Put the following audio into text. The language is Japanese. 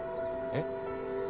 えっ？